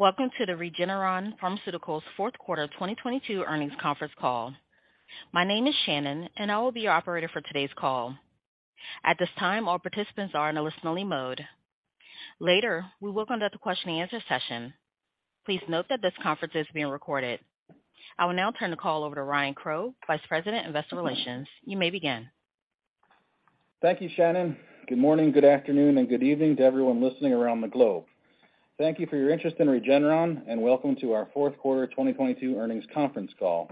Welcome to the Regeneron Pharmaceuticals Fourth Quarter 2022 Earnings Conference Call. My name is Shannon, and I will be your operator for today's call. At this time, all participants are in a listening mode. Later, we will conduct the question and answer session. Please note that this conference is being recorded. I will now turn the call over to Ryan Crowe, Vice President, Investor Relations. You may begin. Thank you, Shannon. Good morning, good afternoon, and good evening to everyone listening around the globe. Thank you for your interest in Regeneron, and welcome to our fourth quarter 2022 earnings conference call.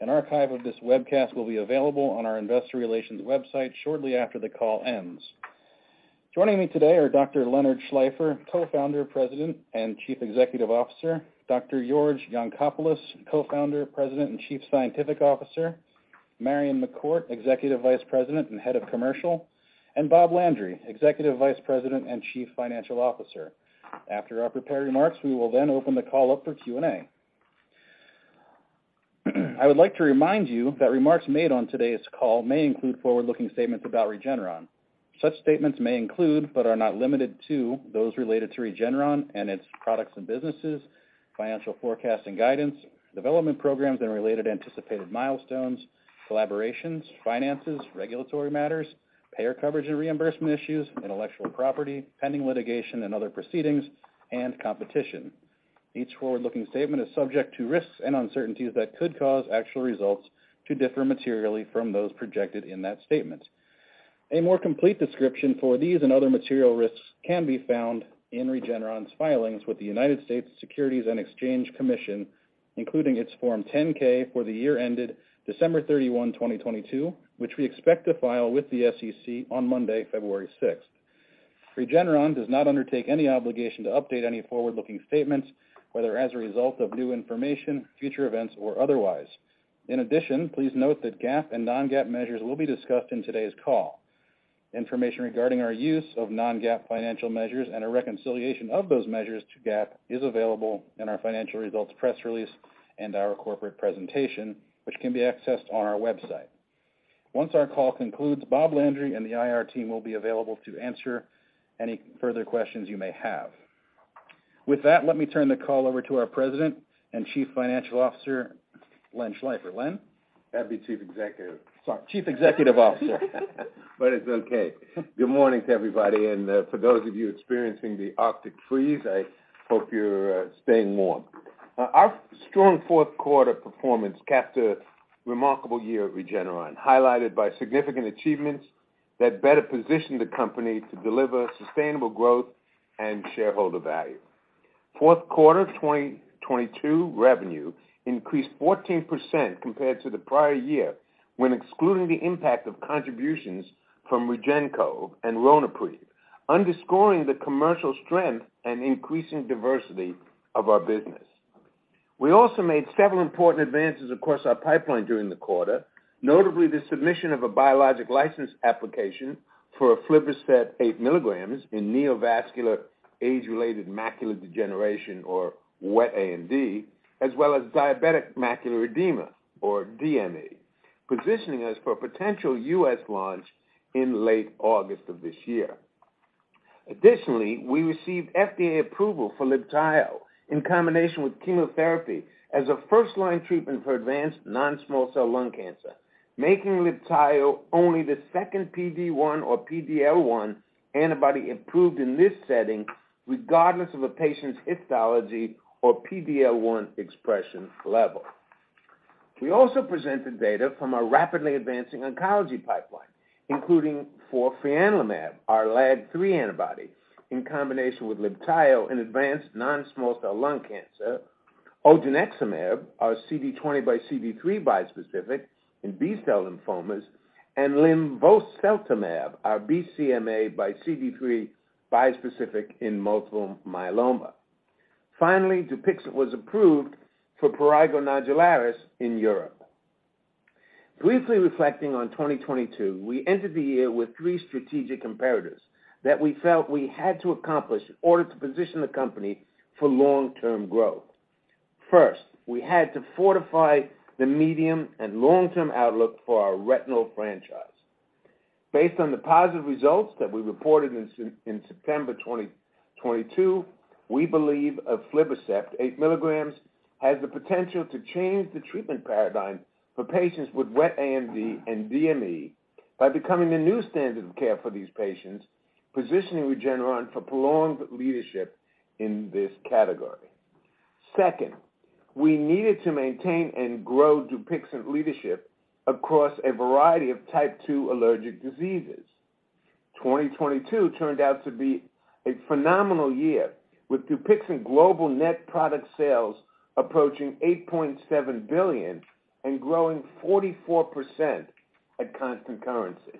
An archive of this webcast will be available on our investor relations website shortly after the call ends. Joining me today are Dr. Leonard Schleifer, Co-founder, President, and Chief Executive Officer, Dr. George Yancopoulos, Co-founder, President, and Chief Scientific Officer, Marion McCourt, Executive Vice President and Head of Commercial, and Bob Landry, Executive Vice President and Chief Financial Officer. After our prepared remarks, we will then open the call up for Q&A. I would like to remind you that remarks made on today's call may include forward-looking statements about Regeneron. Such statements may include, but are not limited to, those related to Regeneron and its products and businesses, financial forecast and guidance, development programs, and related anticipated milestones, collaborations, finances, regulatory matters, payer coverage and reimbursement issues, intellectual property, pending litigation and other proceedings, and competition. Each forward-looking statement is subject to risks and uncertainties that could cause actual results to differ materially from those projected in that statement. A more complete description for these and other material risks can be found in Regeneron's filings with the United States Securities and Exchange Commission, including its Form 10-K for the year ended December 31, 2022, which we expect to file with the SEC on Monday, February 6. Regeneron does not undertake any obligation to update any forward-looking statements, whether as a result of new information, future events, or otherwise. In addition, please note that GAAP and non-GAAP measures will be discussed in today's call. Information regarding our use of non-GAAP financial measures and a reconciliation of those measures to GAAP is available in our financial results press release and our corporate presentation, which can be accessed on our website. Once our call concludes, Bob Landry and the IR team will be available to answer any further questions you may have. With that, let me turn the call over to our president and Chief Financial Officer, Len Schleifer. Len? That'd be Chief Executive. Sorry. Chief Executive Officer. It's okay. Good morning to everybody, for those of you experiencing the Arctic freeze, I hope you're staying warm. Our strong fourth quarter performance capped a remarkable year at Regeneron, highlighted by significant achievements that better position the company to deliver sustainable growth and shareholder value. Fourth quarter 2022 revenue increased 14% compared to the prior year when excluding the impact of contributions from REGEN-COV and Ronapreve, underscoring the commercial strength and increasing diversity of our business. We also made several important advances across our pipeline during the quarter, notably the submission of a biologic license application for aflibercept 8 mg in neovascular age-related macular degeneration or wet AMD, as well as diabetic macular edema or DME, positioning us for a potential U.S. launch in late August of this year. Additionally, we received FDA approval for Libtayo in combination with chemotherapy as a first-line treatment for advanced non-small cell lung cancer, making Libtayo only the second PD-1 or PD-L1 antibody approved in this setting, regardless of a patient's histology or PD-L1 expression level. We also presented data from our rapidly advancing oncology pipeline, including for fianlimab, our LAG-3 antibody, in combination with Libtayo in advanced non-small cell lung cancer, odronextamab, our CD20 by CD3 bispecific in B-cell lymphomas, and linvoseltamab, our BCMA by CD3 bispecific in multiple myeloma. Finally, Dupixent was approved for prurigo nodularis in Europe. Briefly reflecting on 2022, we entered the year with three strategic imperatives that we felt we had to accomplish in order to position the company for long-term growth. First, we had to fortify the medium and long-term outlook for our retinal franchise. Based on the positive results that we reported in September 2022, we believe aflibercept 8 milligrams has the potential to change the treatment paradigm for patients with wet AMD and DME by becoming the new standard of care for these patients, positioning Regeneron for prolonged leadership in this category. Second, we needed to maintain and grow Dupixent leadership across a variety of type 2 allergic diseases. 2022 turned out to be a phenomenal year, with Dupixent global net product sales approaching $8.7 billion and growing 44% at constant currency.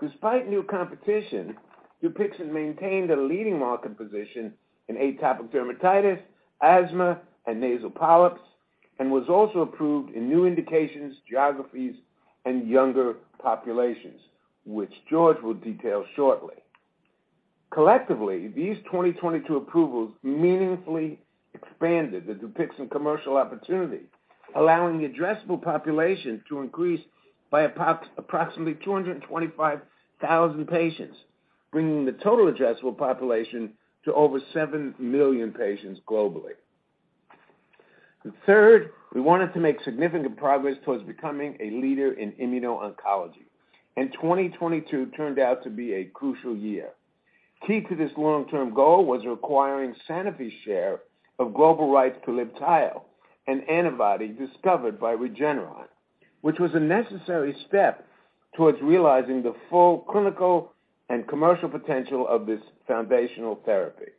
Despite new competition, Dupixent maintained a leading market position in atopic dermatitis, asthma, and nasal polyps, and was also approved in new indications, geographies, and younger populations, which George will detail shortly. Collectively, these 2022 approvals meaningfully expanded the Dupixent commercial opportunity, allowing the addressable population to increase by approximately 225,000 patients, bringing the total adjustable population to over seven million patients globally. Third, we wanted to make significant progress towards becoming a leader in immuno-oncology, 2022 turned out to be a crucial year. Key to this long-term goal was acquiring Sanofi's share of global rights to Libtayo, an antibody discovered by Regeneron, which was a necessary step towards realizing the full clinical and commercial potential of this foundational therapy.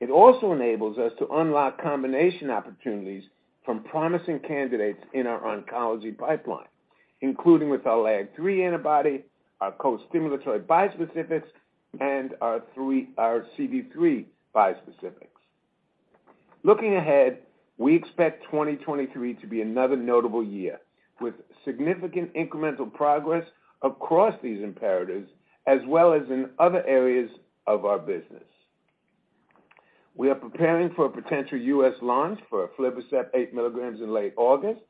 It also enables us to unlock combination opportunities from promising candidates in our oncology pipeline, including with our LAG-3 antibody, our co-stimulatory bispecifics, and our CD3 bispecifics. Looking ahead, we expect 2023 to be another notable year with significant incremental progress across these imperatives, as well as in other areas of our business. We are preparing for a potential U.S. launch for aflibercept 8 mg in late August,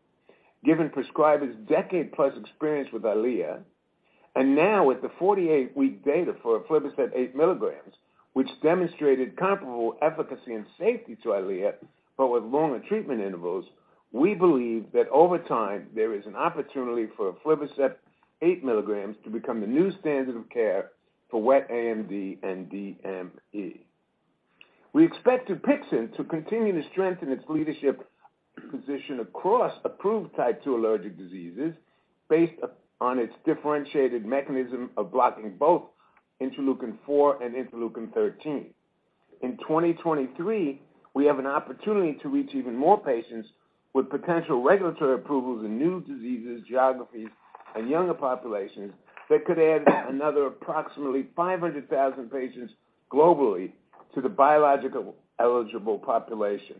given prescribers' decade-plus experience with EYLEA. Now with the 48-week data for aflibercept 8 mg, which demonstrated comparable efficacy and safety to EYLEA, but with longer treatment intervals, we believe that over time, there is an opportunity for aflibercept 8 mg to become the new standard of care for wet AMD and DME. We expect Dupixent to continue to strengthen its leadership position across approved type two allergic diseases based on its differentiated mechanism of blocking both interleukin-4 and interleukin-13. In 2023, we have an opportunity to reach even more patients with potential regulatory approvals in new diseases, geographies, and younger populations that could add another approximately 500,000 patients globally to the biological-eligible population.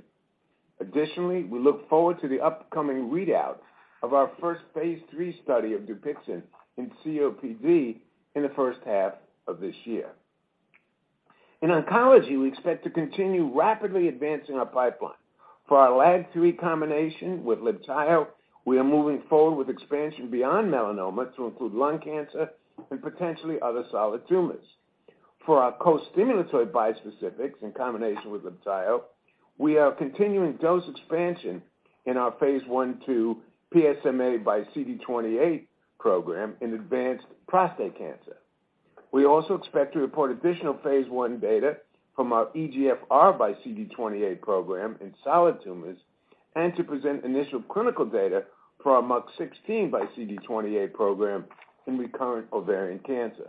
Additionally, we look forward to the upcoming readout of our first phase III study of Dupixent in COPD in the first half of this year. In oncology, we expect to continue rapidly advancing our pipeline. For our LAG-3 combination with Libtayo, we are moving forward with expansion beyond melanoma to include lung cancer and potentially other solid tumors. For our co-stimulatory bispecifics in combination with Libtayo, we are continuing dose expansion in our phase I/II PSMA by CD28 program in advanced prostate cancer. We also expect to report additional phase I data from our EGFR by CD28 program in solid tumors, and to present initial clinical data for our MUC16 by CD28 program in recurrent ovarian cancer.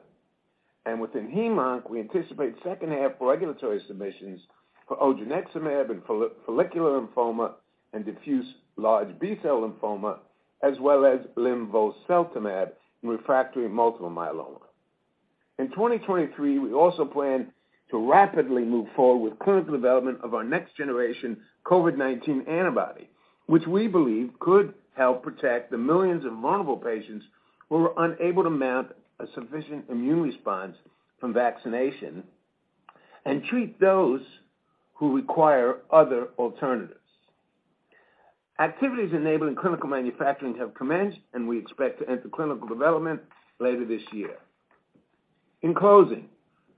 Within hem-onc, we anticipate second-half regulatory submissions for odronextamab in follicular lymphoma and diffuse large B-cell lymphoma, as well as linvoseltamab in refractory multiple myeloma. In 2023, we also plan to rapidly move forward with clinical development of our next-generation COVID-19 antibody, which we believe could help protect the millions of vulnerable patients who are unable to mount a sufficient immune response from vaccination and treat those who require other alternatives. Activities enabling clinical manufacturing have commenced, and we expect to enter clinical development later this year. In closing,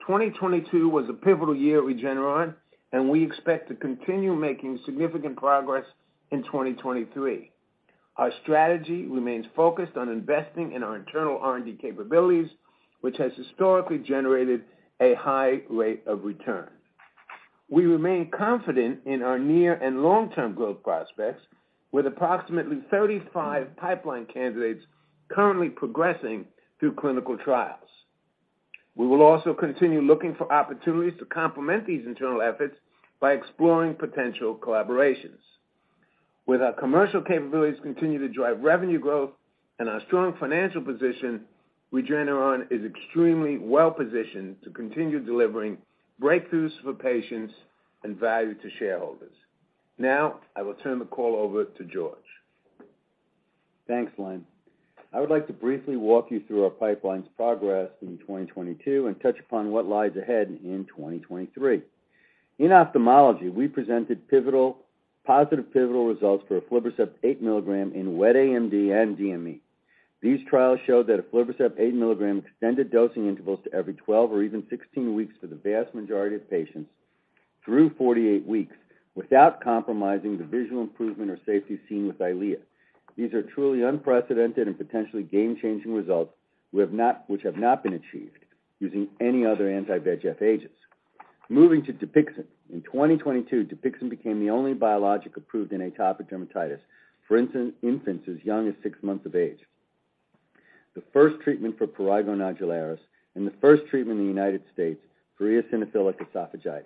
2022 was a pivotal year at Regeneron, and we expect to continue making significant progress in 2023. Our strategy remains focused on investing in our internal R&D capabilities, which has historically generated a high rate of return. We remain confident in our near and long-term growth prospects with approximately 35 pipeline candidates currently progressing through clinical trials. We will also continue looking for opportunities to complement these internal efforts by exploring potential collaborations. With our commercial capabilities continuing to drive revenue growth and our strong financial position, Regeneron is extremely well-positioned to continue delivering breakthroughs for patients and value to shareholders. Now, I will turn the call over to George. Thanks, Len. I would like to briefly walk you through our pipeline's progress in 2022 and touch upon what lies ahead in 2023. In ophthalmology, we presented positive pivotal results for aflibercept 8 mg in wet AMD and DME. These trials show that aflibercept 8 mg extended dosing intervals to every 12 or even 16 weeks for the vast majority of patients through 48 weeks without compromising the visual improvement or safety seen with EYLEA. These are truly unprecedented and potentially game-changing results which have not been achieved using any other anti-VEGF agents. Dupixent. In 2022, Dupixent became the only biologic approved in atopic dermatitis for infants as young as 6 months of age, the first treatment for prurigo nodularis, and the first treatment in the United States for eosinophilic esophagitis.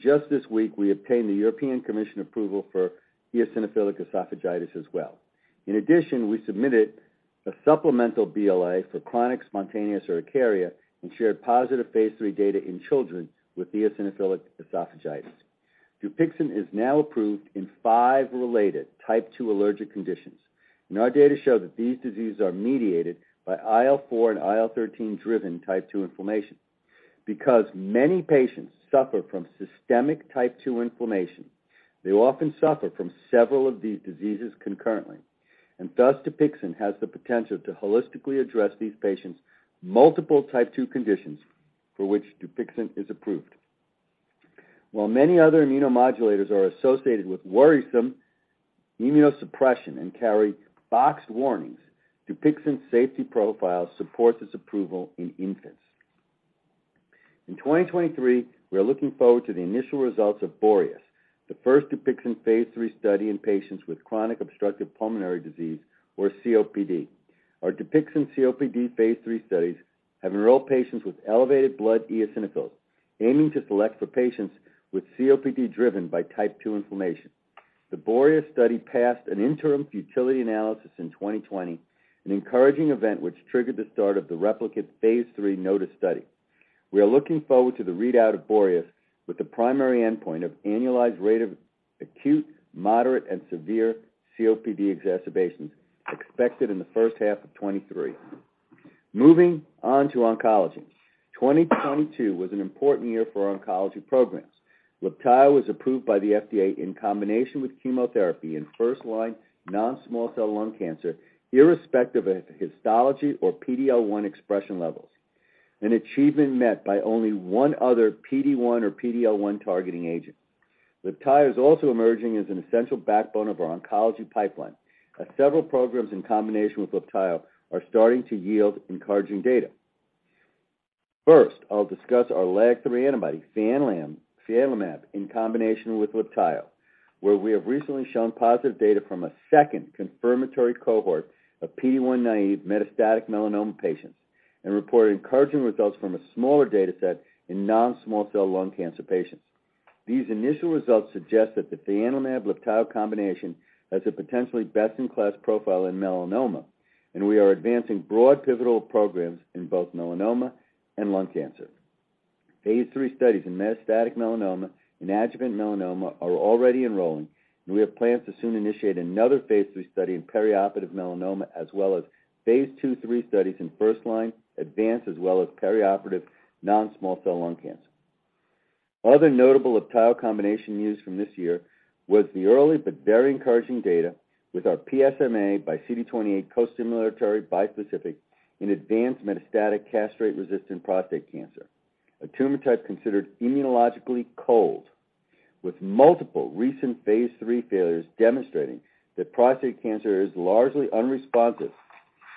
Just this week, we obtained the European Commission approval for eosinophilic esophagitis as well. In addition, we submitted a supplemental BLA for chronic spontaneous urticaria and shared positive phase III data in children with eosinophilic esophagitis. Dupixent is now approved in five related type 2 allergic conditions. Our data show that these diseases are mediated by IL-4 and IL-13 driven type 2 inflammation. Because many patients suffer from systemic type 2 inflammation, they often suffer from several of these diseases concurrently, and thus Dupixent has the potential to holistically address these patients' multiple type 2 conditions for which Dupixent is approved. While many other immunomodulators are associated with worrisome immunosuppression and carry boxed warnings, Dupixent's safety profile supports its approval in infants. In 2023, we are looking forward to the initial results of BOREAS, the first Dupixent phase II study in patients with chronic obstructive pulmonary disease or COPD. Our Dupixent COPD phase III studies have enrolled patients with elevated blood eosinophils, aiming to select for patients with COPD driven by type 2 inflammation. The BOREAS study passed an interim futility analysis in 2020, an encouraging event which triggered the start of the replicate phase III NOTUS study. We are looking forward to the readout of BOREAS with the primary endpoint of annualized rate of acute, moderate, and severe COPD exacerbations expected in the first half of 2023. Moving on to oncology. 2022 was an important year for our oncology programs. Libtayo was approved by the FDA in combination with chemotherapy in first-line non-small cell lung cancer, irrespective of histology or PD-L1 expression levels, an achievement met by only one other PD-1 or PD-L1 targeting agent. Libtayo is also emerging as an essential backbone of our oncology pipeline, as several programs in combination with Libtayo are starting to yield encouraging data. First, I'll discuss our LAG-3 antibody, fianlimab, in combination with Libtayo, where we have recently shown positive data from a second confirmatory Cohort of PD-1-naive metastatic melanoma patients and reported encouraging results from a smaller data set in non-small cell lung cancer patients. These initial results suggest that the fianlimab Libtayo combination has a potentially best-in-class profile in melanoma, and we are advancing broad pivotal programs in both melanoma and lung cancer. Phase III studies in metastatic melanoma and adjuvant melanoma are already enrolling. We have plans to soon initiate another phase III study in perioperative melanoma, as well as phase II, III studies in first line advanced as well as perioperative non-small cell lung cancer. Other notable Libtayo combination news from this year was the early but very encouraging data with our PSMA by CD28 costimulatory bispecific in advanced metastatic castrate-resistant prostate cancer, a tumor type considered immunologically cold, with multiple recent phase III failures demonstrating that prostate cancer is largely unresponsive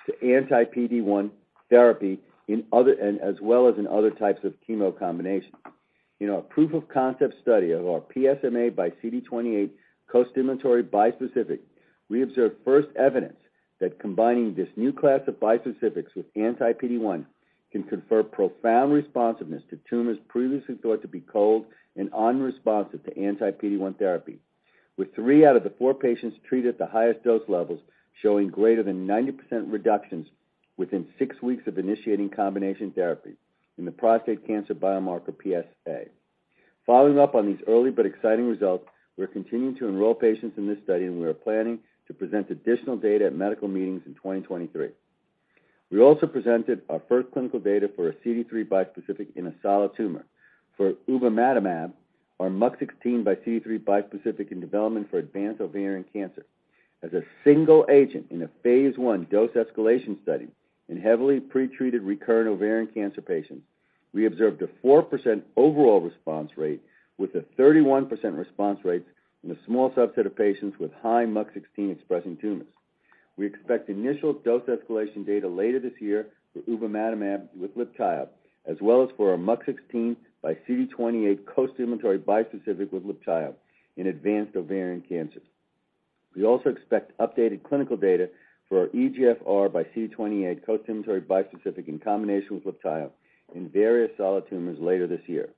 to anti-PD-1 therapy as well as in other types of chemo combinations. In a proof-of-concept study of our PSMA by CD28 costimulatory bispecific, we observed first evidence that combining this new class of bispecifics with anti-PD-1 can confer profound responsiveness to tumors previously thought to be cold and unresponsive to anti-PD-1 therapy, with three out of the four patients treated at the highest dose levels showing greater than 90% reductions within six weeks of initiating combination therapy in the prostate cancer biomarker PSA. Following up on these early but exciting results, we're continuing to enroll patients in this study, and we are planning to present additional data at medical meetings in 2023. We also presented our first clinical data for a CD3 bispecific in a solid tumor for ubamatamab, our MUC16 by CD3 bispecific in development for advanced ovarian cancer. As a single agent in a phase I dose escalation study in heavily pretreated recurrent ovarian cancer patients, we observed a 4% overall response rate with a 31% response rate in a small subset of patients with high MUC16-expressing tumors. We expect initial dose escalation data later this year for ubamatamab with Libtayo, as well as for our MUC16 by CD28 costimulatory bispecific with Libtayo in advanced ovarian cancer. We also expect updated clinical data for our EGFR by CD28 costimulatory bispecific in combination with Libtayo in various solid tumors later this year.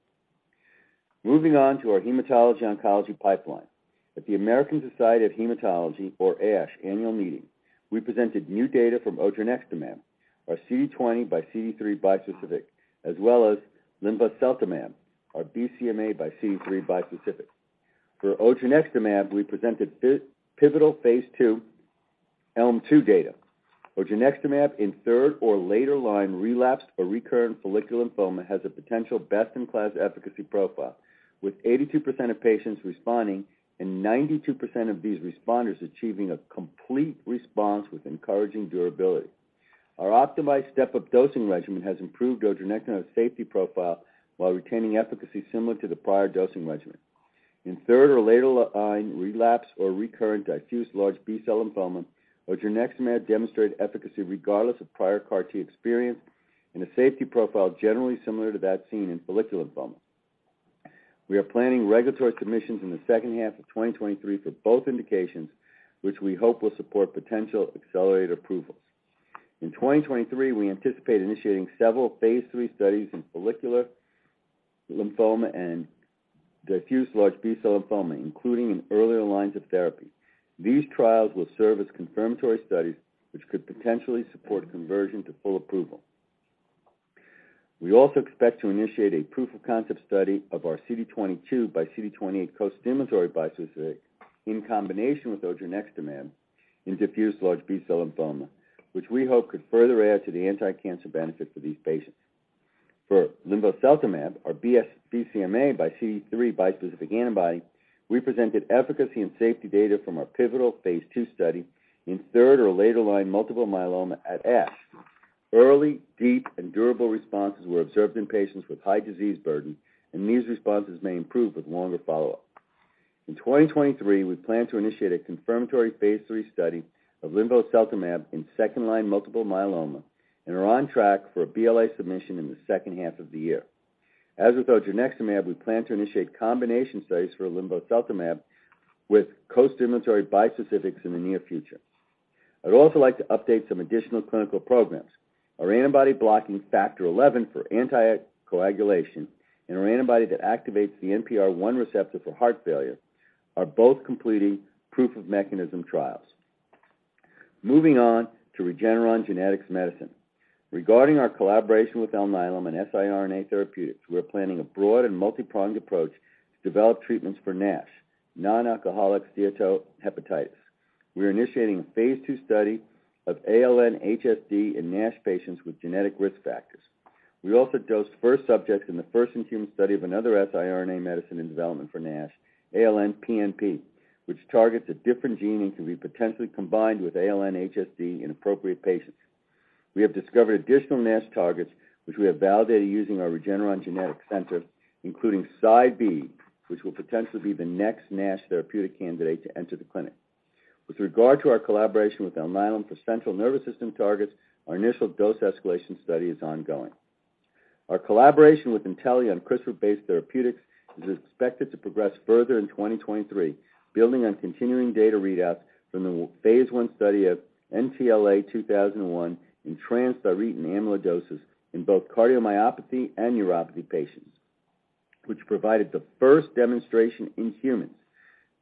Moving on to our hematology-oncology pipeline. At the American Society of Hematology, or ASH, annual meeting, we presented new data from odronextamab, our CD20 by CD3 bispecific, as well as linvoseltamab, our BCMA by CD3 bispecific. For odronextamab, we presented pivotal phase II ELM-2 data. Odronextamab in third or later line relapsed or recurrent follicular lymphoma has a potential best-in-class efficacy profile, with 82% of patients responding and 92% of these responders achieving a complete response with encouraging durability. Our optimized step-up dosing regimen has improved odronextamab's safety profile while retaining efficacy similar to the prior dosing regimen. In third or later line relapse or recurrent diffuse large B-cell lymphoma, odronextamab demonstrated efficacy regardless of prior CAR T experience and a safety profile generally similar to that seen in follicular lymphoma. We are planning regulatory submissions in the second half of 2023 for both indications, which we hope will support potential accelerated approvals. In 2023, we anticipate initiating several phase III studies in follicular lymphoma and diffuse large B-cell lymphoma, including in earlier lines of therapy. These trials will serve as confirmatory studies, which could potentially support conversion to full approval. We also expect to initiate a proof-of-concept study of our CD22 by CD28 costimulatory bispecific in combination with odronextamab in diffuse large B-cell lymphoma, which we hope could further add to the anticancer benefit for these patients. For linvoseltamab, our BCMA by CD3 bispecific antibody, we presented efficacy and safety data from our pivotal phase II study in third or later line multiple myeloma at ASH. Early, deep, and durable responses were observed in patients with high disease burden, and these responses may improve with longer follow-up. In 2023, we plan to initiate a confirmatory phase III study of linvoseltamab in second-line multiple myeloma and are on track for a BLA submission in the second half of the year. As with odronextamab, we plan to initiate combination studies for linvoseltamab with costimulatory bispecifics in the near future. I'd also like to update some additional clinical programs. Our antibody blocking Factor XI for anticoagulation and our antibody that activates the NPR1 receptor for heart failure are both completing proof of mechanism trials. Moving on to Regeneron Genetics Medicine. Regarding our collaboration with Alnylam and siRNA Therapeutics, we're planning a broad and multipronged approach to develop treatments for NASH, non-alcoholic steatohepatitis. We are initiating a phase II study of ALN-HSD in NASH patients with genetic risk factors. We also dosed first subjects in the first in-human study of another siRNA medicine in development for NASH, ALN-PNP, which targets a different gene and can be potentially combined with ALN-HSD in appropriate patients. We have discovered additional NASH targets which we have validated using our Regeneron Genetics Center, including PSYB, which will potentially be the next NASH therapeutic candidate to enter the clinic. With regard to our collaboration with Alnylam for central nervous system targets, our initial dose escalation study is ongoing. Our collaboration with Intellia on CRISPR-based therapeutics is expected to progress further in 2023, building on continuing data readouts from the phase I study of NTLA-2001 in transthyretin amyloidosis in both cardiomyopathy and neuropathy patients, which provided the first demonstration in humans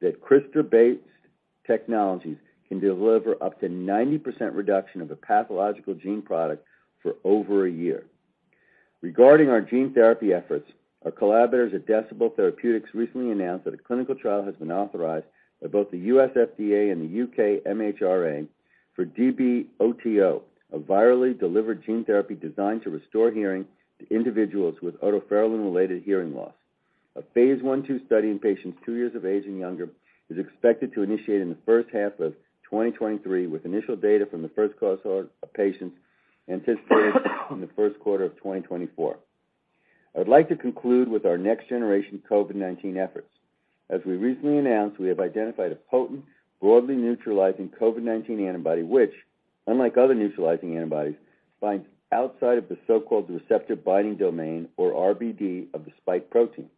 that CRISPR-based technologies can deliver up to 90% reduction of a pathological gene product for over a year. Regarding our gene therapy efforts, our collaborators at Decibel Therapeutics recently announced that a clinical trial has been authorized by both the U.S. FDA and the U.K. MHRA for DB-OTO, a virally delivered gene therapy designed to restore hearing to individuals with otoferlin-related hearing loss. A phase I/II study in patients two years of age and younger is expected to initiate in the first half of 2023, with initial data from the first Cohort of patients anticipated in the first quarter of 2024. I'd like to conclude with our next-generation COVID-19 efforts. As we recently announced, we have identified a potent, broadly neutralizing COVID-19 antibody which, unlike other neutralizing antibodies, binds outside of the so-called receptor-binding domain, or RBD, of the spike protein.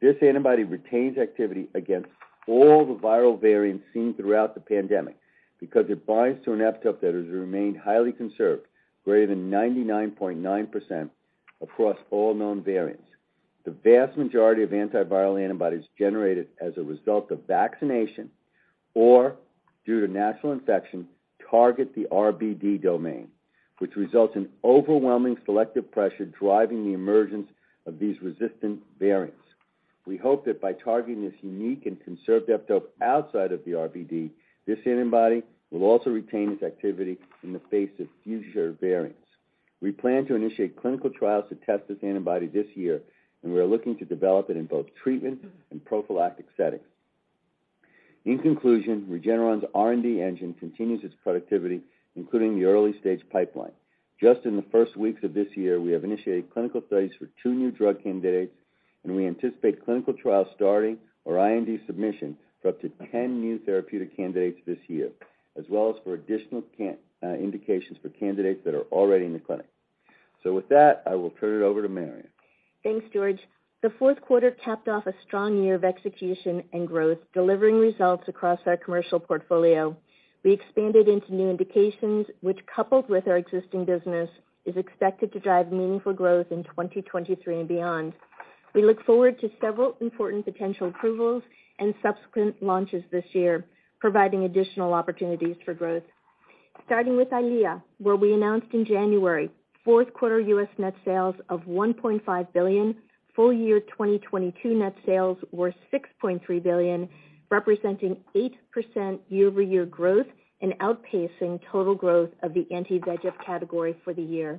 This antibody retains activity against all the viral variants seen throughout the pandemic because it binds to an epitope that has remained highly conserved, greater than 99.9% across all known variants. The vast majority of antiviral antibodies generated as a result of vaccination or due to natural infection target the RBD domain, which results in overwhelming selective pressure driving the emergence of these resistant variants. We hope that by targeting this unique and conserved epitope outside of the RBD, this antibody will also retain its activity in the face of future variants. We plan to initiate clinical trials to test this antibody this year, and we are looking to develop it in both treatment and prophylactic settings. In conclusion, Regeneron's R&D engine continues its productivity, including the early-stage pipeline. Just in the first weeks of this year, we have initiated clinical studies for two new drug candidates, and we anticipate clinical trials starting or IND submission for up to 10 new therapeutic candidates this year, as well as for additional indications for candidates that are already in the clinic. With that, I will turn it over to Marion. Thanks, George. The fourth quarter capped off a strong year of execution and growth, delivering results across our commercial portfolio. We expanded into new indications which, coupled with our existing business, is expected to drive meaningful growth in 2023 and beyond. We look forward to several important potential approvals and subsequent launches this year, providing additional opportunities for growth. Starting with EYLEA, where we announced in January fourth quarter U.S. net sales of $1.5 billion, full year 2022 net sales were $6.3 billion, representing 8% year-over-year growth and outpacing total growth of the anti-VEGF category for the year.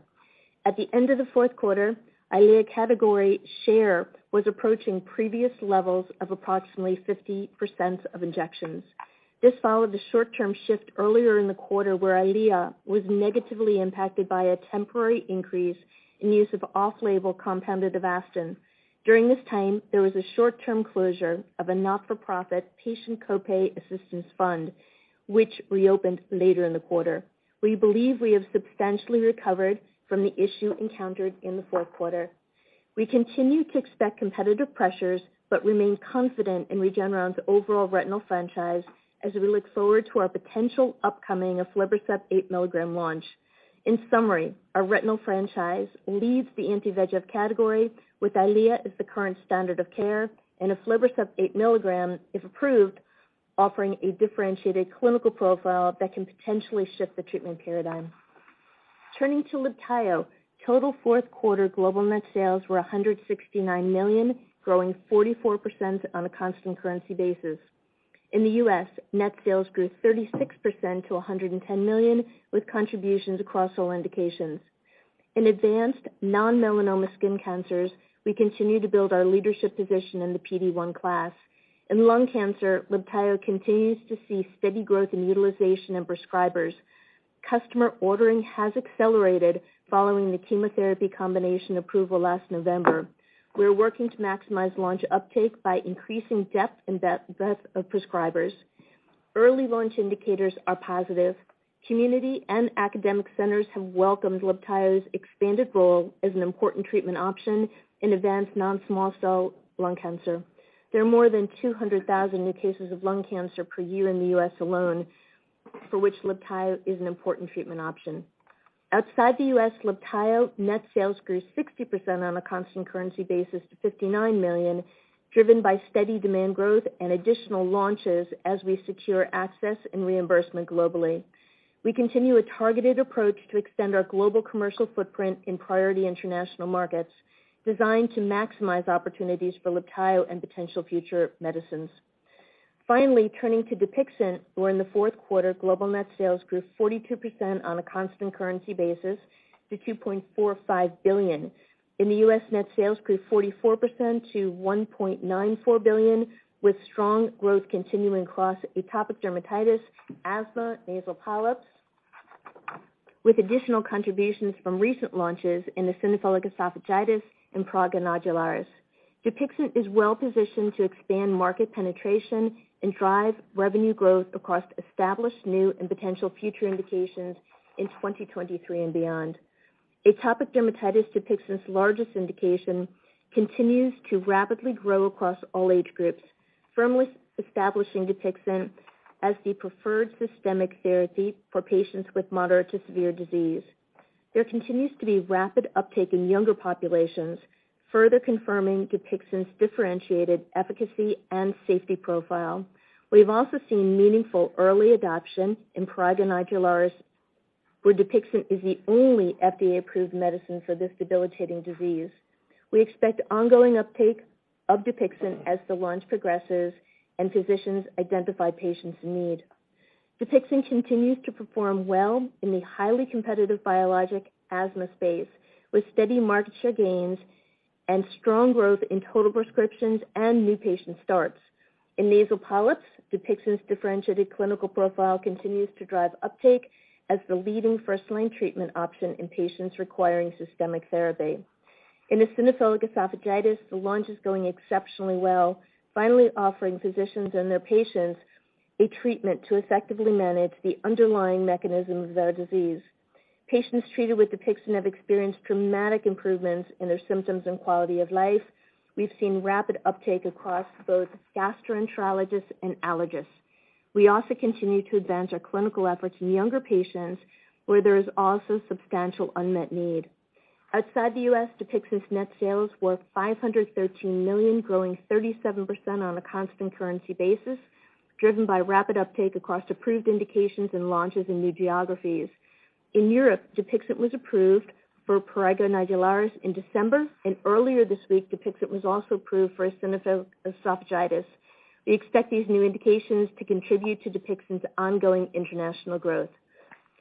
At the end of the fourth quarter, EYLEA category share was approaching previous levels of approximately 50% of injections. This followed a short-term shift earlier in the quarter where EYLEA was negatively impacted by a temporary increase in use of off-label compounded Avastin. During this time, there was a short-term closure of a not-for-profit patient co-pay assistance fund, which reopened later in the quarter. We believe we have substantially recovered from the issue encountered in the fourth quarter. We continue to expect competitive pressures but remain confident in Regeneron's overall retinal franchise as we look forward to our potential upcoming aflibercept 8 mg launch. In summary, our retinal franchise leads the anti-VEGF category, with EYLEA as the current standard of care, and aflibercept 8 mg, if approved, offering a differentiated clinical profile that can potentially shift the treatment paradigm. Turning to Libtayo, total fourth quarter global net sales were $169 million, growing 44% on a constant currency basis. In the U.S., net sales grew 36% to $110 million, with contributions across all indications. In advanced non-melanoma skin cancers, we continue to build our leadership position in the PD-1 class. In lung cancer, Libtayo continues to see steady growth in utilization of prescribers. Customer ordering has accelerated following the chemotherapy combination approval last November. We're working to maximize launch uptake by increasing depth and depth of prescribers. Early launch indicators are positive. Community and academic centers have welcomed Libtayo's expanded role as an important treatment option in advanced non-small cell lung cancer. There are more than 200,000 new cases of lung cancer per year in the U.S. alone, for which Libtayo is an important treatment option. Outside the U.S., Libtayo net sales grew 60% on a constant currency basis to $59 million, driven by steady demand growth and additional launches as we secure access and reimbursement globally. We continue a targeted approach to extend our global commercial footprint in priority international markets designed to maximize opportunities for Libtayo and potential future medicines. Turning to Dupixent, where in the fourth quarter, global net sales grew 42% on a constant currency basis to $2.45 billion. In the U.S., net sales grew 44% to $1.94 billion, with strong growth continuing across atopic dermatitis, asthma, nasal polyps, with additional contributions from recent launches in eosinophilic esophagitis and prurigo nodularis. Dupixent is well-positioned to expand market penetration and drive revenue growth across established, new, and potential future indications in 2023 and beyond. Atopic dermatitis, Dupixent's largest indication, continues to rapidly grow across all age groups, firmly establishing Dupixent as the preferred systemic therapy for patients with moderate to severe disease. There continues to be rapid uptake in younger populations, further confirming Dupixent's differentiated efficacy and safety profile. We've also seen meaningful early adoption in prurigo nodularis, where Dupixent is the only FDA-approved medicine for this debilitating disease. We expect ongoing uptake of Dupixent as the launch progresses and physicians identify patients' need. Dupixent continues to perform well in the highly competitive biologic asthma space, with steady market share gains and strong growth in total prescriptions and new patient starts. In nasal polyps, Dupixent's differentiated clinical profile continues to drive uptake as the leading first-line treatment option in patients requiring systemic therapy. In eosinophilic esophagitis, the launch is going exceptionally well, finally offering physicians and their patients a treatment to effectively manage the underlying mechanisms of their disease. Patients treated with Dupixent have experienced dramatic improvements in their symptoms and quality of life. We've seen rapid uptake across both gastroenterologists and allergists. We also continue to advance our clinical efforts in younger patients, where there is also substantial unmet need. Outside the U.S., Dupixent's net sales were $513 million, growing 37% on a constant currency basis, driven by rapid uptake across approved indications and launches in new geographies. In Europe, Dupixent was approved for prurigo nodularis in December. Earlier this week, Dupixent was also approved for eosinophilic esophagitis. We expect these new indications to contribute to Dupixent's ongoing international growth.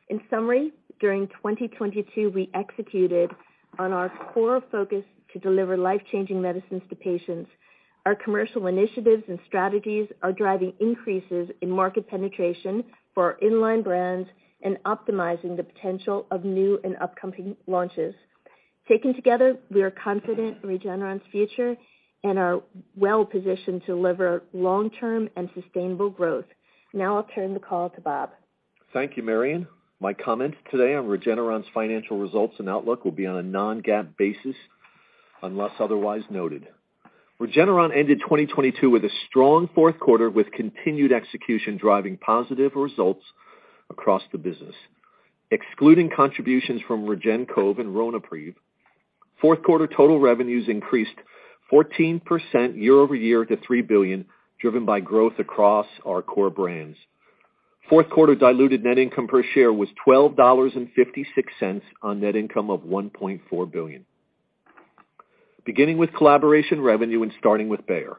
In summary, during 2022, we executed on our core focus to deliver life-changing medicines to patients. Our commercial initiatives and strategies are driving increases in market penetration for our in-line brands and optimizing the potential of new and upcoming launches. Taken together, we are confident in Regeneron's future and are well-positioned to deliver long-term and sustainable growth. Now I'll turn the call to Bob. Thank you, Marion. My comments today on Regeneron's financial results and outlook will be on a non-GAAP basis, unless otherwise noted. Regeneron ended 2022 with a strong fourth quarter with continued execution driving positive results across the business. Excluding contributions from REGEN-COV and Ronapreve, fourth quarter total revenues increased 14% year-over-year to $3 billion, driven by growth across our core brands. Fourth quarter diluted net income per share was $12.56 on net income of $1.4 billion. Beginning with collaboration revenue, starting with Bayer.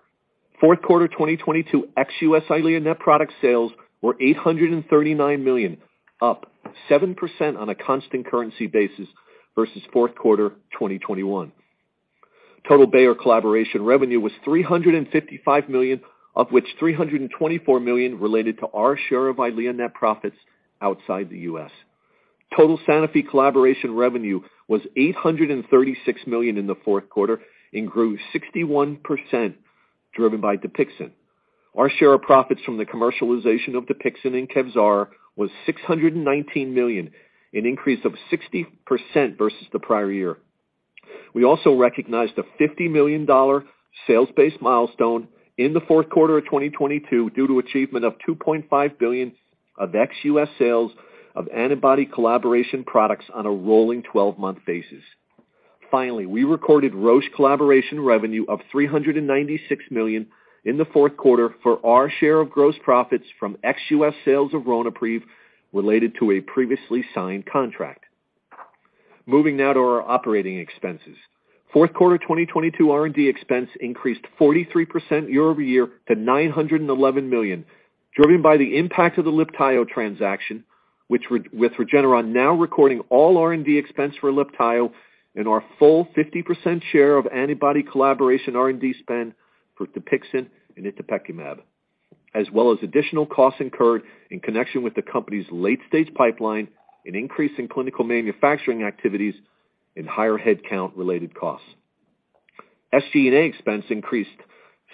Fourth quarter 2022 ex-U.S. EYLEA net product sales were $839 million, up 7% on a constant currency basis versus fourth quarter 2021. Total Bayer collaboration revenue was $355 million, of which $324 million related to our share of EYLEA net profits outside the U.S. Total Sanofi collaboration revenue was $836 million in the fourth quarter and grew 61% driven by Dupixent. Our share of profits from the commercialization of Dupixent and Kevzara was $619 million, an increase of 60% versus the prior year. We also recognized a $50 million sales-based milestone in the fourth quarter of 2022 due to achievement of $2.5 billion of ex-U.S. sales of antibody collaboration products on a rolling 12-month basis. We recorded Roche collaboration revenue of $396 million in the fourth quarter for our share of gross profits from ex-U.S. sales of Ronapreve related to a previously signed contract. Moving now to our operating expenses. Fourth quarter 2022 R&D expense increased 43% year-over-year to $911 million, driven by the impact of the Libtayo transaction, with Regeneron now recording all R&D expense for Libtayo and our full 50% share of antibody collaboration R&D spend for Dupixent and itepekimab, as well as additional costs incurred in connection with the company's late-stage pipeline, an increase in clinical manufacturing activities and higher headcount related costs. SG&A expense increased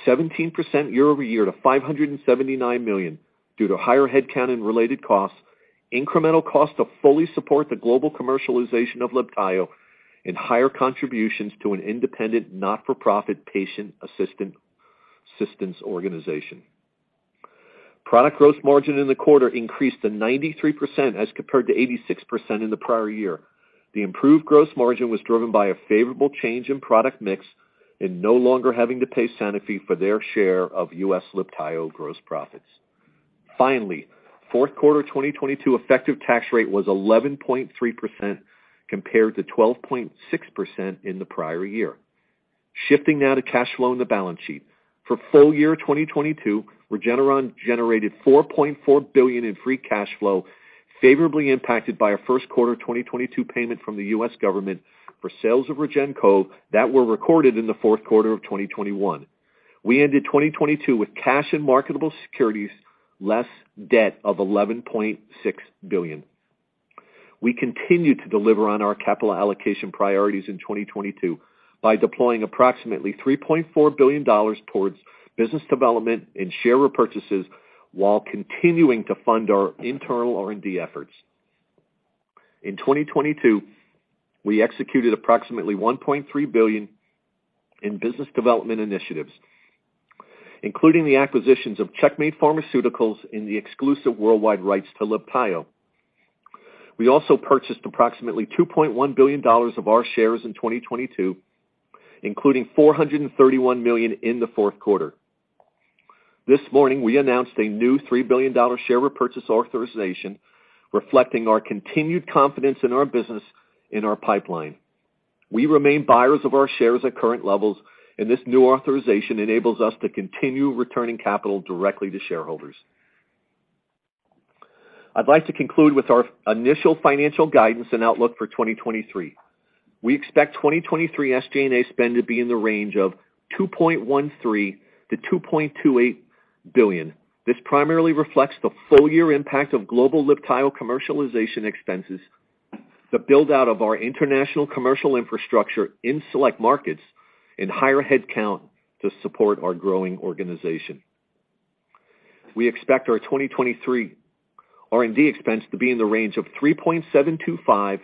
17% year-over-year to $579 million due to higher headcount and related costs, incremental costs to fully support the global commercialization of Libtayo and higher contributions to an independent, not-for-profit patient assistance organization. Product gross margin in the quarter increased to 93% as compared to 86% in the prior year. The improved gross margin was driven by a favorable change in product mix and no longer having to pay Sanofi for their share of U.S. Libtayo gross profits. Fourth quarter 2022 effective tax rate was 11.3% compared to 12.6% in the prior year. Shifting now to cash flow in the balance sheet. For full year 2022, Regeneron generated $4.4 billion in free cash flow, favorably impacted by a first quarter 2022 payment from the U.S. government for sales of REGEN-COV that were recorded in the fourth quarter of 2021. We ended 2022 with cash and marketable securities less debt of $11.6 billion. We continued to deliver on our capital allocation priorities in 2022 by deploying approximately $3.4 billion towards business development and share repurchases while continuing to fund our internal R&D efforts. In 2022, we executed approximately $1.3 billion in business development initiatives, including the acquisitions of Checkmate Pharmaceuticals and the exclusive worldwide rights to Libtayo. We also purchased approximately $2.1 billion of our shares in 2022, including $431 million in the fourth quarter. This morning, we announced a new $3 billion share repurchase authorization reflecting our continued confidence in our business and our pipeline. We remain buyers of our shares at current levels, and this new authorization enables us to continue returning capital directly to shareholders. I'd like to conclude with our initial financial guidance and outlook for 2023. We expect 2023 SG&A spend to be in the range of $2.13 billion-$2.28 billion. This primarily reflects the full year impact of global Libtayo commercialization expenses, the build-out of our international commercial infrastructure in select markets and higher headcount to support our growing organization. We expect our 2023 R&D expense to be in the range of $3.725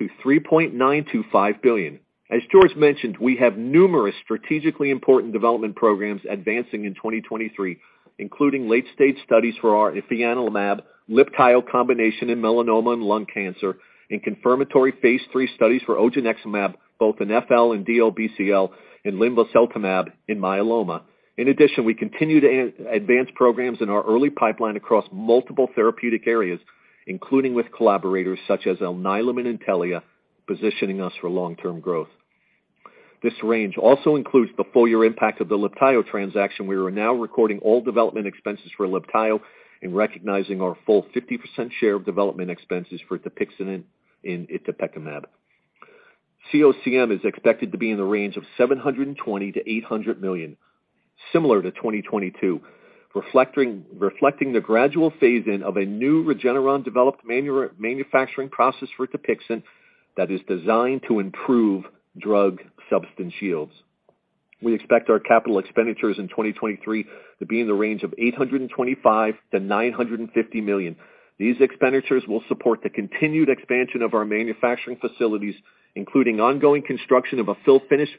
billion-$3.925 billion. As George mentioned, we have numerous strategically important development programs advancing in 2023, including late-stage studies for our fianlimab, Libtayo combination in melanoma and lung cancer, and confirmatory phase III studies for odronextamab, both in FL and DLBCL, and linvoseltamab in myeloma. In addition, we continue to advance programs in our early pipeline across multiple therapeutic areas, including with collaborators such as Alnylam and Intellia, positioning us for long-term growth. This range also includes the full year impact of the Libtayo transaction, where we're now recording all development expenses for Libtayo and recognizing our full 50% share of development expenses for Dupixent and itepekimab. COCM is expected to be in the range of $720 million-$800 million, similar to 2022, reflecting the gradual phase-in of a new Regeneron-developed manufacturing process for Dupixent that is designed to improve drug substance yields. We expect our capital expenditures in 2023 to be in the range of $825 million-$950 million. These expenditures will support the continued expansion of our manufacturing facilities, including ongoing construction of a fill-finish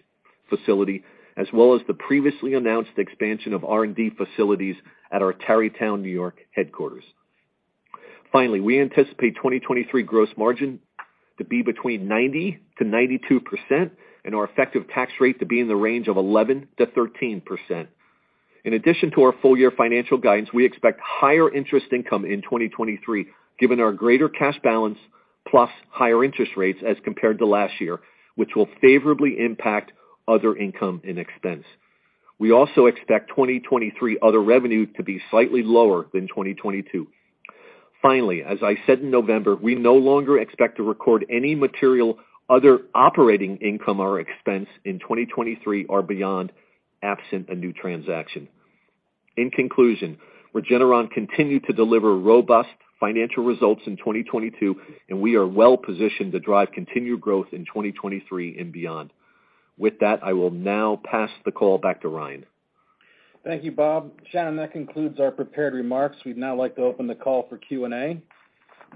facility, as well as the previously announced expansion of R&D facilities at our Tarrytown, New York, headquarters. We anticipate 2023 gross margin to be between 90% and 92% and our effective tax rate to be in the range of 11% to 13%. In addition to our full year financial guidance, we expect higher interest income in 2023, given our greater cash balance plus higher interest rates as compared to last year, which will favorably impact other income and expense. We also expect 2023 other revenue to be slightly lower than 2022. As I said in November, we no longer expect to record any material other operating income or expense in 2023 or beyond absent a new transaction. In conclusion, Regeneron continued to deliver robust financial results in 2022, and we are well positioned to drive continued growth in 2023 and beyond. With that, I will now pass the call back to Ryan. Thank you, Bob. Shannon, that concludes our prepared remarks. We'd now like to open the call for Q&A.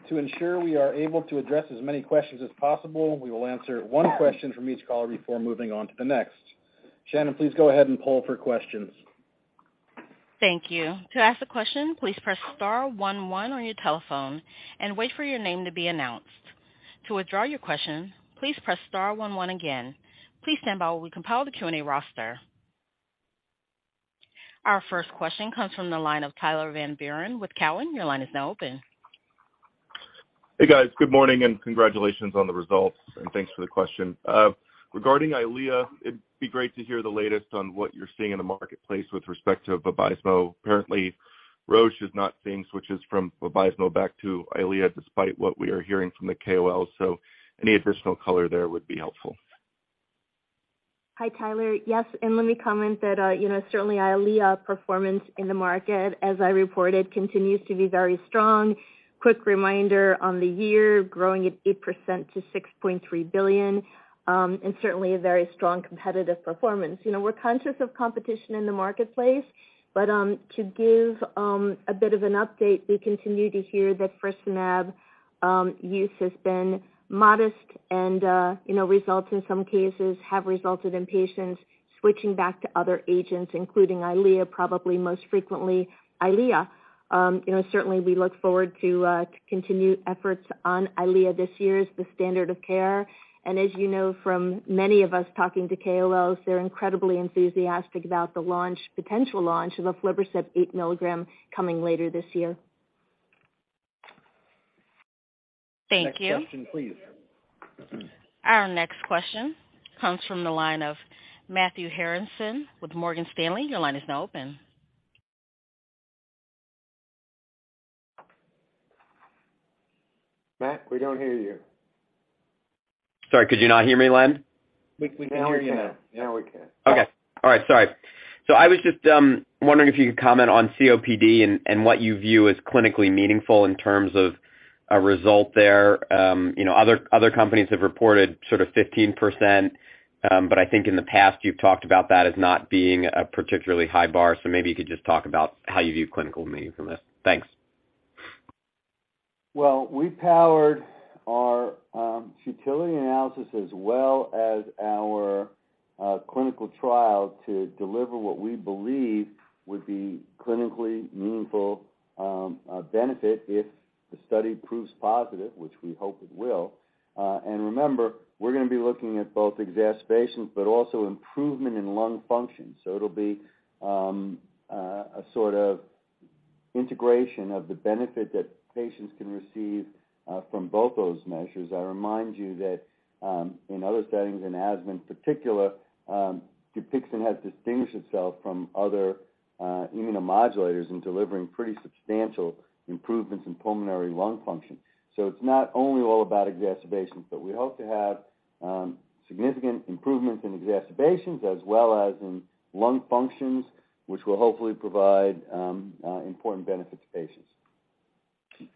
To ensure we are able to address as many questions as possible, we will answer one question from each caller before moving on to the next. Shannon, please go ahead and poll for questions. Thank you. To ask a question, please press star one one on your telephone and wait for your name to be announced. To withdraw your question, please press star one one again. Please stand by while we compile the Q&A roster. Our first question comes from the line of Tyler Van Buren with Cowen. Your line is now open. Hey, guys. Good morning and congratulations on the results, and thanks for the question. Regarding EYLEA, it'd be great to hear the latest on what you're seeing in the marketplace with respect to VABYSMO. Apparently, Roche is not seeing switches from VABYSMO back to EYLEA, despite what we are hearing from the KOLs. Any additional color there would be helpful. Hi, Tyler. Yes, let me comment that, you know, certainly EYLEA performance in the market, as I reported, continues to be very strong. Quick reminder, on the year, growing at 8% to $6.3 billion, certainly a very strong competitive performance. You know, we're conscious of competition in the marketplace, to give a bit of an update, we continue to hear that faricimab use has been modest, results in some cases have resulted in patients switching back to other agents, including EYLEA, probably most frequently EYLEA. You know, certainly we look forward to continued efforts on EYLEA this year as the standard of care. As you know from many of us talking to KOLs, they're incredibly enthusiastic about the launch, potential launch of aflibercept 8 mg coming later this year. Thank you. Next question, please. Our next question comes from the line of Matthew Harrison with Morgan Stanley. Your line is now open. Matt, we don't hear you. Sorry, could you not hear me, Len? We can hear you now. Now we can. Okay. All right. Sorry. I was just wondering if you could comment on COPD and what you view as clinically meaningful in terms of a result there. You know, other companies have reported sort of 15%, I think in the past, you've talked about that as not being a particularly high bar. Maybe you could just talk about how you view clinical meaning from this. Thanks. We powered our utility analysis as well as our clinical trial to deliver what we believe would be clinically meaningful benefit if the study proves positive, which we hope it will. Remember, we're gonna be looking at both exacerbations but also improvement in lung function. It'll be a sort of integration of the benefit that patients can receive from both those measures. I remind you that in other settings, in asthma in particular, Dupixent has distinguished itself from other immunomodulators in delivering pretty substantial improvements in pulmonary lung function. It's not only all about exacerbations, but we hope to have significant improvements in exacerbations as well as in lung functions, which will hopefully provide important benefits to patients.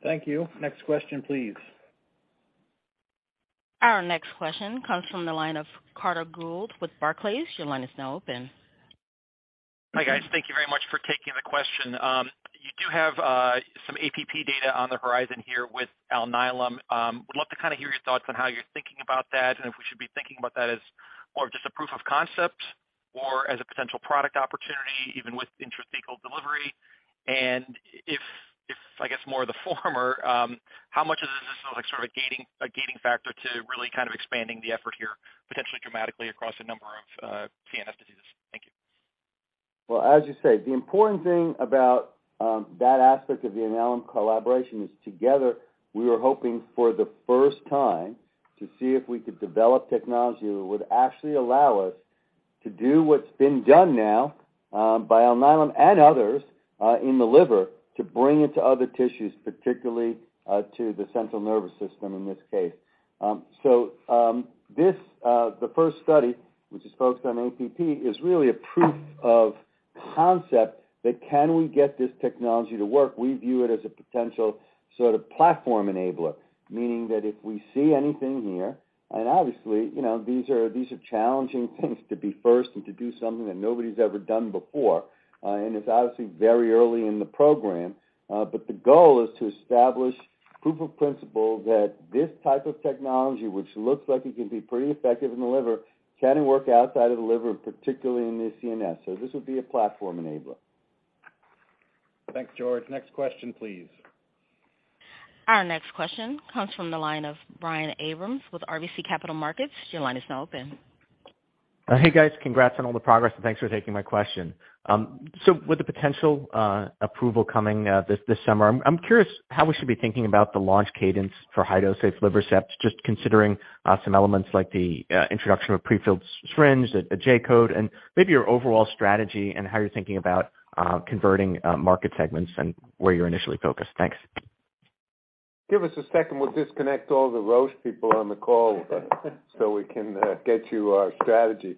Thank you. Next question, please. Our next question comes from the line of Carter Gould with Barclays. Your line is now open. Hi, guys. Thank you very much for taking the question. You do have some APP data on the horizon here with Alnylam. Would love to kinda hear your thoughts on how you're thinking about that and if we should be thinking about that as more of just a proof of concept or as a potential product opportunity, even with intrathecal delivery. If, I guess, more of the former, how much of this is sort of like a gaining factor to really kind of expanding the effort here, potentially dramatically across a number of CNS diseases? Thank you. As you say, the important thing about that aspect of the Alnylam collaboration is together we were hoping for the first time to see if we could develop technology that would actually allow us to do what's been done now by Alnylam and others in the liver to bring it to other tissues, particularly to the central nervous system in this case. This the first study, which is focused on APP, is really a proof of concept that can we get this technology to work? We view it as a potential sort of platform enabler. Meaning that if we see anything here, obviously, you know, these are challenging things to be first and to do something that nobody's ever done before. It's obviously very early in the program, but the goal is to establish proof of principle that this type of technology, which looks like it can be pretty effective in the liver, can it work outside of the liver, particularly in the CNS? This would be a platform enabler. Thanks, George. Next question, please. Our next question comes from the line of Brian Abrahams with RBC Capital Markets. Your line is now open. Hey guys. Congrats on all the progress, and thanks for taking my question. With the potential approval coming this summer, I'm curious how we should be thinking about the launch cadence for high-dose aflibercept, just considering some elements like the introduction of a prefilled syringe, a J-code, and maybe your overall strategy and how you're thinking about converting market segments and where you're initially focused. Thanks. Give us a second. We'll disconnect all the Roche people on the call so we can get you our strategy.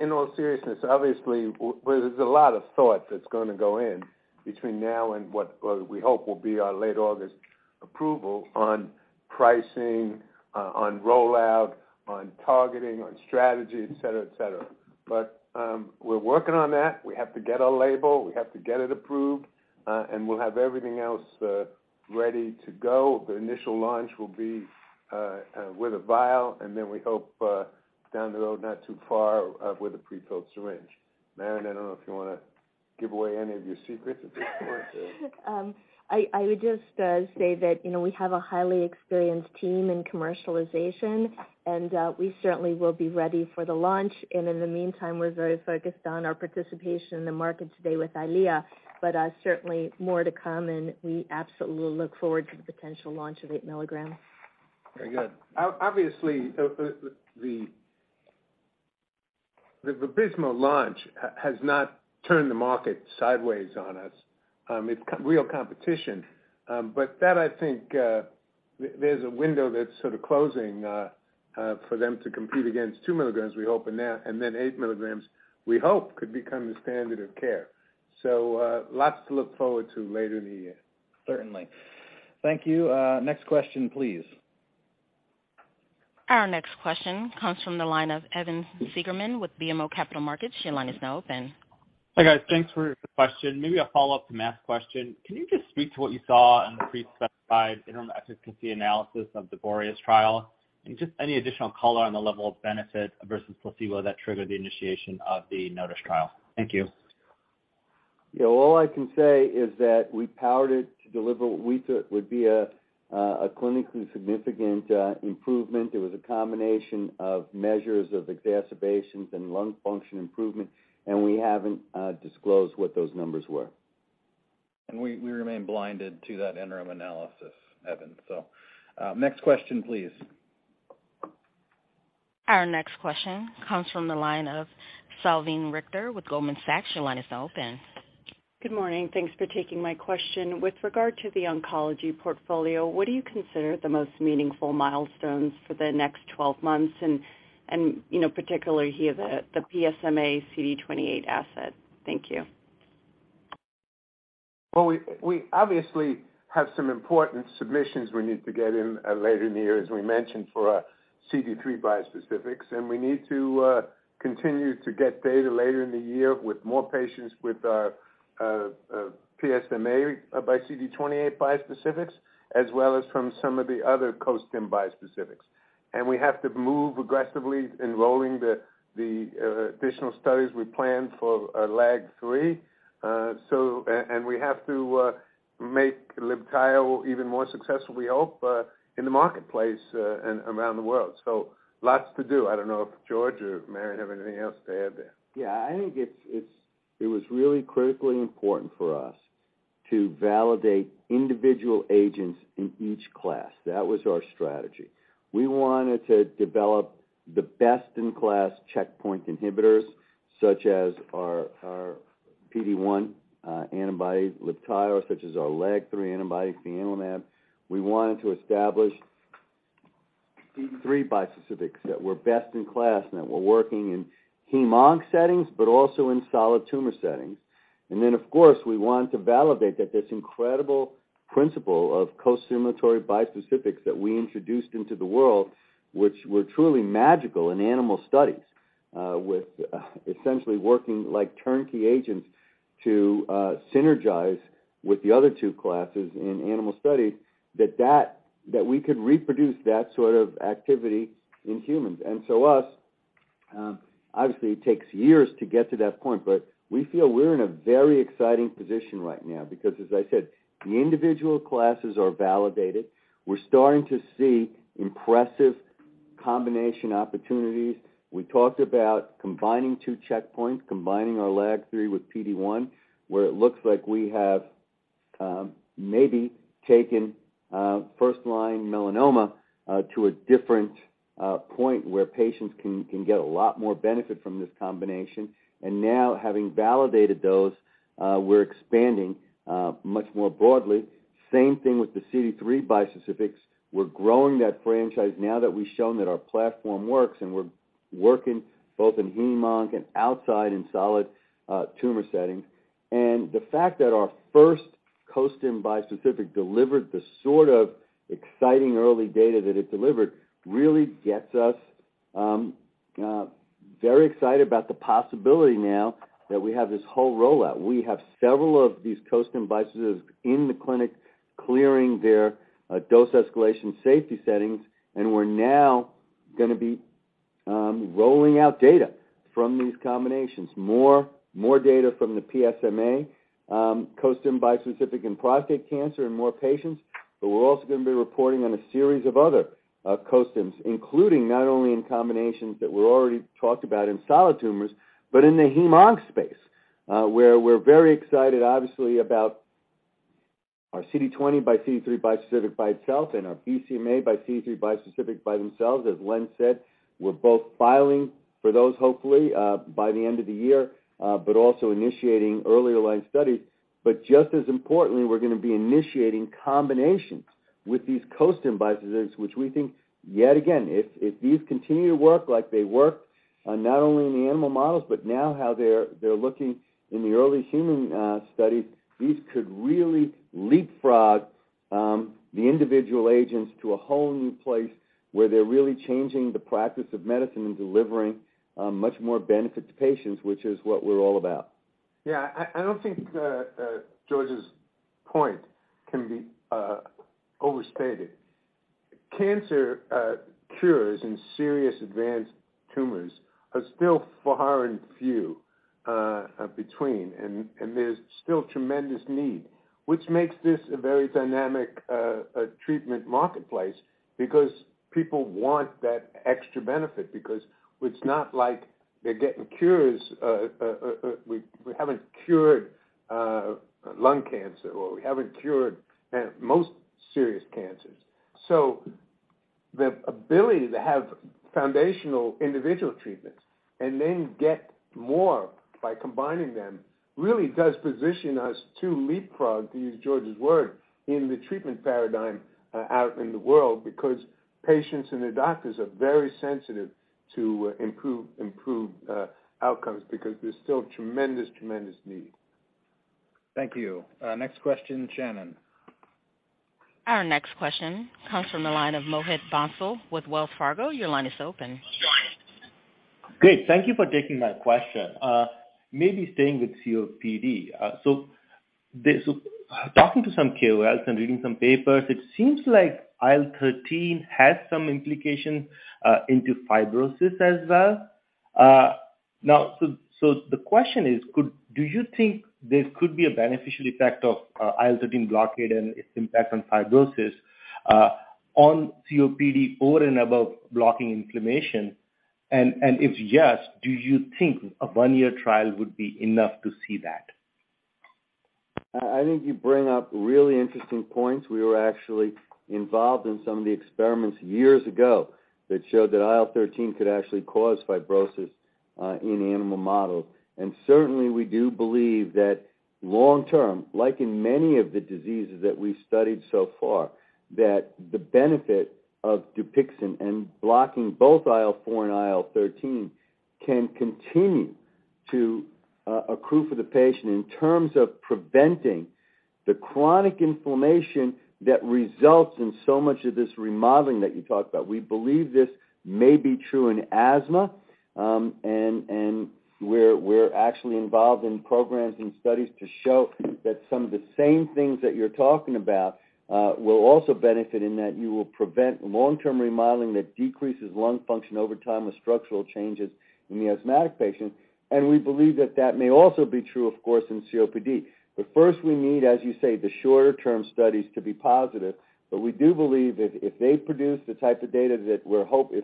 In all seriousness, obviously, well, there's a lot of thought that's gonna go in between now and what we hope will be our late August approval on pricing, on rollout, on targeting, on strategy, et cetera, et cetera. We're working on that. We have to get our label, we have to get it approved, and we'll have everything else ready to go. The initial launch will be with a vial, and then we hope. Down the road, not too far, with a prefilled syringe. Marianne, I don't know if you wanna give away any of your secrets at this point. I would just say that, you know, we have a highly experienced team in commercialization, and we certainly will be ready for the launch. In the meantime, we're very focused on our participation in the market today with EYLEA, but certainly more to come, and we absolutely look forward to the potential launch of 8 milligrams. Very good. Obviously, the VABYSMO launch has not turned the market sideways on us. It's real competition. That I think, there's a window that's sort of closing for them to compete against 2 milligrams, we hope, and then 8 milligrams, we hope could become the standard of care. Lots to look forward to later in the year. Certainly. Thank you. Next question, please. Our next question comes from the line of Evan Seigerman with BMO Capital Markets. Your line is now open. Hi, guys. Thanks for the question. Maybe a follow-up to Matt's question. Can you just speak to what you saw in the pre-specified interim efficacy analysis of the BOREAS trial? Just any additional color on the level of benefit versus placebo that triggered the initiation of the NOTUS trial? Thank you. All I can say is that we powered it to deliver what we thought would be a clinically significant improvement. It was a combination of measures of exacerbations and lung function improvement, and we haven't disclosed what those numbers were. We remain blinded to that interim analysis, Evan. Next question, please. Our next question comes from the line of Salveen Richter with Goldman Sachs. Your line is now open. Good morning. Thanks for taking my question. With regard to the oncology portfolio, what do you consider the most meaningful milestones for the next 12 months? you know, particularly here, the PSMA CD28 asset. Thank you. We obviously have some important submissions we need to get in later in the year, as we mentioned, for our CD3 bispecifics. We need to continue to get data later in the year with more patients with PSMA by CD28 bispecifics, as well as from some of the other costim bispecifics. We have to move aggressively enrolling the additional studies we plan for LAG-3. We have to make Libtayo even more successful, we hope, in the marketplace and around the world. Lots to do. I don't know if George or Marion have anything else to add there. It was really critically important for us to validate individual agents in each class. That was our strategy. We wanted to develop the best-in-class checkpoint inhibitors, such as our PD-1 antibody Libtayo, such as our LAG-3 antibody, fianlimab. We wanted to establish CD3 bispecifics that were best in class, and that were working in hem-onc settings, but also in solid tumor settings. Then, of course, we want to validate that this incredible principle of costimulatory bispecifics that we introduced into the world, which were truly magical in animal studies, with essentially working like turnkey agents to synergize with the other two classes in animal studies that we could reproduce that sort of activity in humans. Us, obviously it takes years to get to that point, but we feel we're in a very exciting position right now because, as I said, the individual classes are validated. We're starting to see impressive combination opportunities. We talked about combining two checkpoints, combining our LAG-3 with PD-1, where it looks like we have maybe taken first line melanoma to a different point where patients can get a lot more benefit from this combination. Now having validated those, we're expanding much more broadly. Same thing with the CD3 bispecifics. We're growing that franchise now that we've shown that our platform works, and we're working both in hem-onc and outside in solid tumor settings. The fact that our first costim bispecific delivered the sort of exciting early data that it delivered really gets us very excited about the possibility now that we have this whole rollout. We have several of these costim bispecifics in the clinic clearing their dose escalation safety settings, and we're now gonna be rolling out data from these combinations. More data from the PSMA costim bispecific in prostate cancer in more patients, but we're also gonna be reporting on a series of other costim, including not only in combinations that were already talked about in solid tumors, but in the hem-onc space, where we're very excited, obviously, about our CD20xCD3 bispecific by itself and our BCMAxCD3 bispecific by themselves. As Len said, we're both filing for those hopefully, by the end of the year, but also initiating earlier line studies. Just as importantly, we're gonna be initiating combinations with these costim bispecifics, which we think, yet again, if these continue to work like they work, not only in the animal models, but now how they're looking in the early human studies, these could really leapfrog the individual agents to a whole new place where they're really changing the practice of medicine and delivering much more benefit to patients, which is what we're all about. Yeah. I don't think George's point can be overstated. Cancer cures in serious advanced tumors are still far and few between, and there's still tremendous need, which makes this a very dynamic treatment marketplace because people want that extra benefit because it's not like they're getting cures. We haven't cured lung cancer or we haven't cured most serious cancers. The ability to have foundational individual treatments and then get more by combining them really does position us to leapfrog, to use George's word, in the treatment paradigm out in the world because patients and their doctors are very sensitive to improve outcomes because there's still tremendous need. Thank you. Next question, Shannon. Our next question comes from the line of Mohit Bansal with Wells Fargo. Your line is open. Great. Thank you for taking my question. Maybe staying with COPD. talking to some KOLs and reading some papers, it seems like IL-13 has some implication into fibrosis as well. The question is, do you think there could be a beneficial effect of IL-13 blockade and its impact on fibrosis on COPD over and above blocking inflammation? If yes, do you think a one-year trial would be enough to see that? I think you bring up really interesting points. We were actually involved in some of the experiments years ago that showed that IL-13 could actually cause fibrosis in animal models. Certainly, we do believe that long term, like in many of the diseases that we studied so far, that the benefit of Dupixent and blocking both IL-4 and IL-13 can continue to accrue for the patient in terms of preventing the chronic inflammation that results in so much of this remodeling that you talked about. We believe this may be true in asthma, and we're actually involved in programs and studies to show that some of the same things that you're talking about will also benefit in that you will prevent long-term remodeling that decreases lung function over time with structural changes in the asthmatic patient. We believe that that may also be true, of course, in COPD. First we need, as you say, the shorter-term studies to be positive. We do believe If Dupixent produces the type of data we're hoping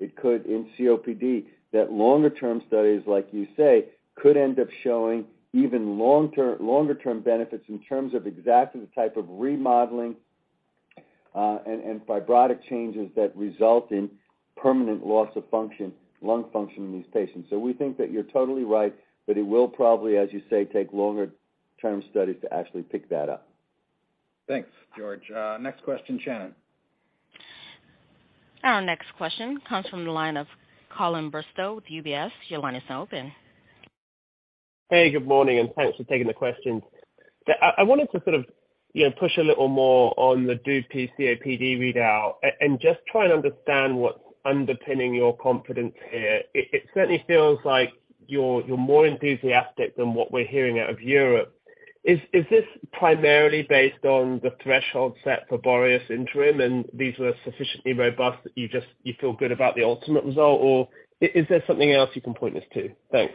it could in COPD, that longer-term studies, like you say, could end up showing even longer-term benefits in terms of exactly the type of remodeling and fibrotic changes that result in permanent loss of function, lung function in these patients. We think that you're totally right, but it will probably, as you say, take longer term studies to actually pick that up. Thanks, George. Next question, Shannon. Our next question comes from the line of Colin Bristow with UBS. Your line is now open. Hey, good morning, thanks for taking the questions. I wanted to sort of, you know, push a little more on the Dupi COPD readout and just try and understand what's underpinning your confidence here. It certainly feels like you're more enthusiastic than what we're hearing out of Europe. Is this primarily based on the threshold set for BOREAS interim, and these were sufficiently robust that you feel good about the ultimate result? Is there something else you can point us to? Thanks.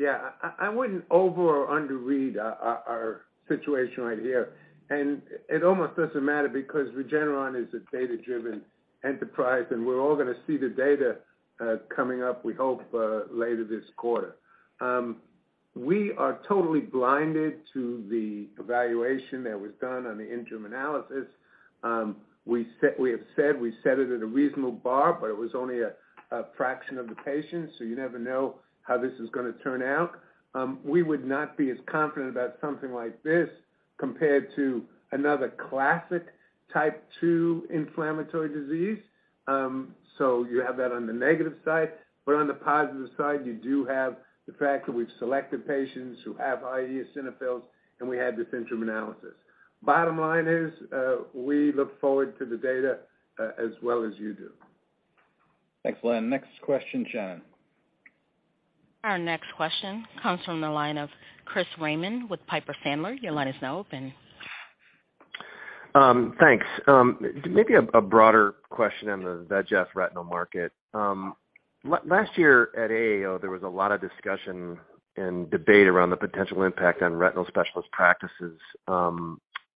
I wouldn't over or under read our situation right here. It almost doesn't matter because Regeneron is a data-driven enterprise, and we're all gonna see the data coming up, we hope, later this quarter. We are totally blinded to the evaluation that was done on the interim analysis. We have said we set it at a reasonable bar, but it was only a fraction of the patients, so you never know how this is gonna turn out. We would not be as confident about something like this compared to another classic type 2 inflammatory disease. You have that on the negative side. On the positive side, you do have the fact that we've selected patients who have high eosinophils, and we had this interim analysis. Bottom line is, we look forward to the data, as well as you do. Thanks, Len. Next question, Shannon. Our next question comes from the line of Christopher Raymond with Piper Sandler. Your line is now open. Thanks. Maybe a broader question on the VEGF retinal market. Last year at AAO, there was a lot of discussion and debate around the potential impact on retinal specialist practices,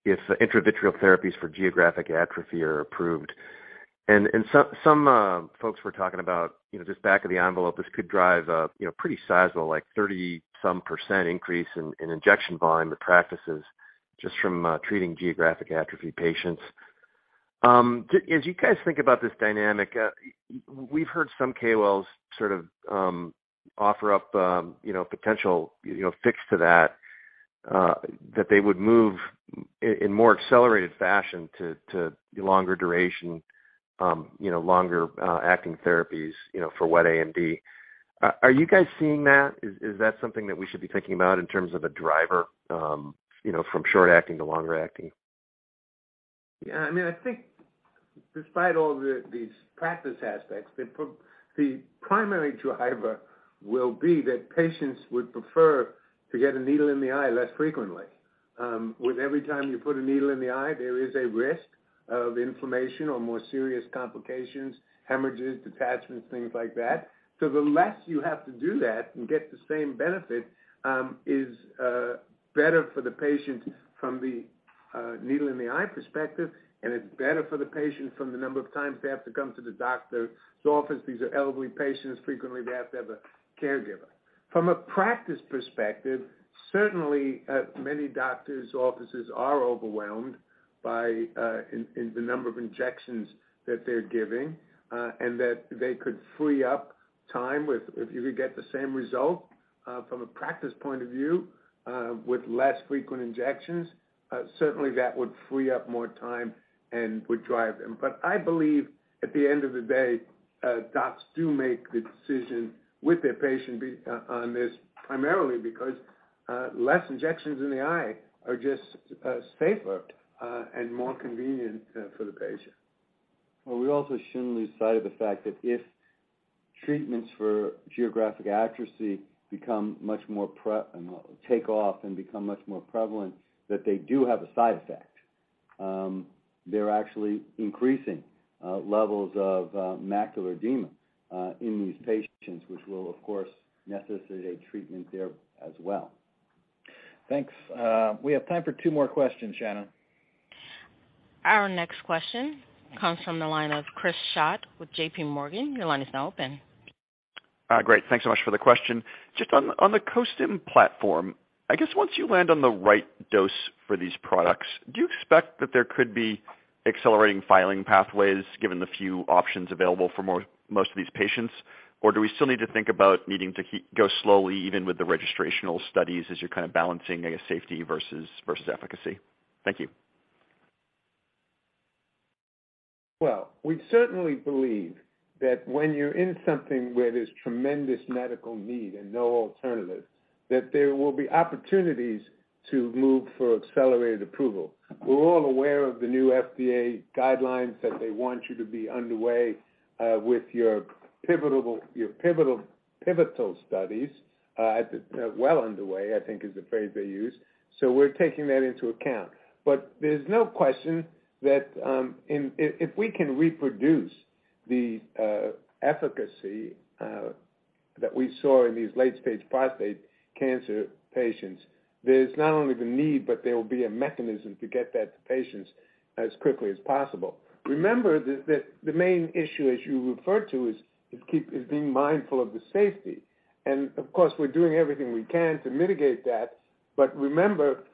if intravitreal therapies for geographic atrophy are approved. Some folks were talking about, you know, just back of the envelope, this could drive a, you know, pretty sizable, like 30 some percent increase in injection volume to practices just from treating geographic atrophy patients. As you guys think about this dynamic, we've heard some KOLs sort of offer up, you know, potential, you know, fix to that they would move in more accelerated fashion to longer duration, you know, longer acting therapies, you know, for wet AMD. Are you guys seeing that? Is that something that we should be thinking about in terms of a driver, you know, from short acting to longer acting? I mean, I think despite all the, these practice aspects, the primary driver will be that patients would prefer to get a needle in the eye less frequently. With every time you put a needle in the eye, there is a risk of inflammation or more serious complications, hemorrhages, detachments, things like that. The less you have to do that and get the same benefit, is better for the patient from the needle in the eye perspective, and it's better for the patient from the number of times they have to come to the doctor's office. These are elderly patients. Frequently, they have to have a caregiver. From a practice perspective, certainly, many doctors' offices are overwhelmed by the number of injections that they're giving, and that they could free up time with, if you could get the same result, from a practice point of view, with less frequent injections. Certainly, that would free up more time and would drive them. I believe at the end of the day, docs do make the decision with their patient on this primarily because less injections in the eye are just safer and more convenient for the patient. We also shouldn't lose sight of the fact that if treatments for geographic atrophy become much more, you know, take off and become much more prevalent, that they do have a side effect. They're actually increasing levels of macular edema in these patients, which will, of course, necessitate treatment there as well. Thanks. We have time for two more questions, Shannon. Our next question comes from the line of Christopher Schott with J.P. Morgan. Your line is now open. Great. Thanks so much for the question. Just on the costim platform, I guess once you land on the right dose for these products, do you expect that there could be accelerating filing pathways given the few options available for most of these patients? Or do we still need to think about needing to go slowly, even with the registrational studies as you're kind of balancing, I guess, safety versus efficacy? Thank you. We certainly believe that when you're in something where there's tremendous medical need and no alternative, that there will be opportunities to move for accelerated approval. We're all aware of the new FDA guidelines that they want you to be underway with your pivotal studies at the well underway, I think is the phrase they use. We're taking that into account. There's no question that, in, if we can reproduce the efficacy that we saw in these late-stage prostate cancer patients, there's not only the need, but there will be a mechanism to get that to patients as quickly as possible. Remember that the main issue as you refer to is being mindful of the safety. Of course, we're doing everything we can to mitigate that. Remember,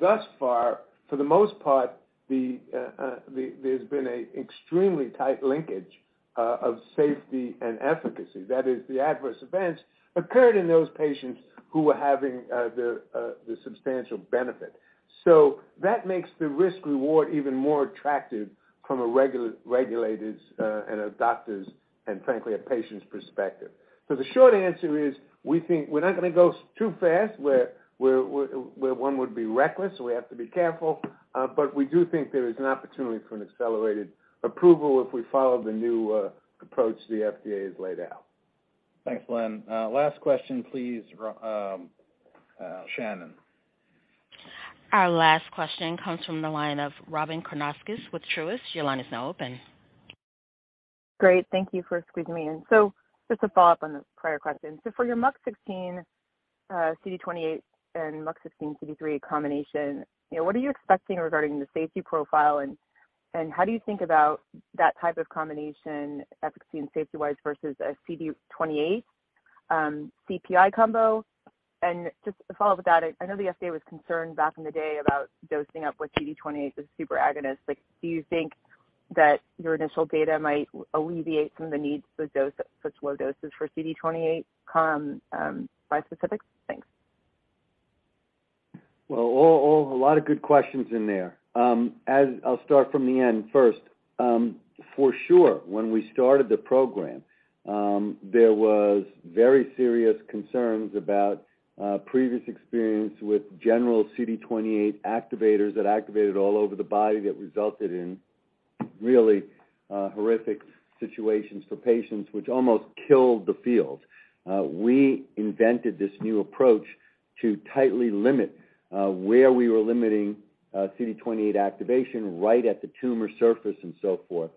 thus far, for the most part, there's been a extremely tight linkage of safety and efficacy. That is the adverse events occurred in those patients who were having the substantial benefit. That makes the risk/reward even more attractive from a regulators and a doctors and frankly, a patient's perspective. The short answer is, we think we're not gonna go too fast, where one would be reckless, so we have to be careful. We do think there is an opportunity for an accelerated approval if we follow the new approach the FDA has laid out. Thanks, Len. Last question, please, Shannon. Our last question comes from the line of Robyn Karnauskas with Truist. Your line is now open. Great. Thank you for squeezing me in. Just a follow-up on the prior question. For your MUC16 CD28 and MUC16 CD3 combination, you know, what are you expecting regarding the safety profile and how do you think about that type of combination efficacy and safety-wise versus a CD28 CPI combo? Just to follow up with that, I know the FDA was concerned back in the day about dosing up with CD28 as a super agonist. Like, do you think that your initial data might alleviate some of the needs for slow doses for CD28 bispecifics? Thanks. Well, a lot of good questions in there. As I'll start from the end first. For sure, when we started the program, there was very serious concerns about previous experience with general CD28 activators that activated all over the body that resulted in really horrific situations for patients, which almost killed the field. We invented this new approach to tightly limit where we were limiting CD28 activation right at the tumor surface and so forth.